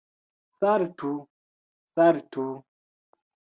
Saltu, saltu!